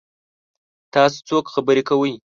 تاسو څوک خبرې کوئ؟